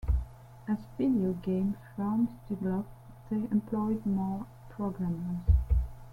As video game firms developed they employed more programmers.